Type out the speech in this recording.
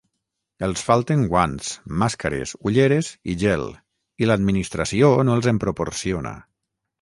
Els falten guants, màscares, ulleres i gel i l’administració no els en proporciona.